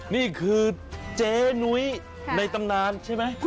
นี่คือเจ๊นุ้ยในตำนานใช่ไหม